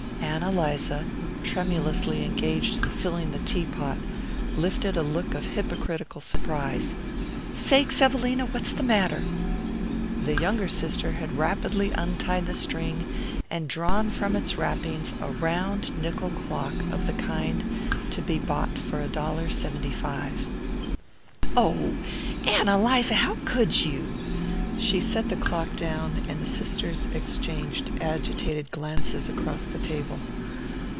Ann Eliza, tremulously engaged in filling the teapot, lifted a look of hypocritical surprise. "Sakes, Evelina! What's the matter?" The younger sister had rapidly untied the string, and drawn from its wrappings a round nickel clock of the kind to be bought for a dollar seventy five. "Oh, Ann Eliza, how could you?" She set the clock down, and the sisters exchanged agitated glances across the table.